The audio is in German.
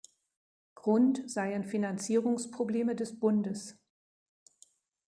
Grund seien Finanzierungsprobleme des Bundes.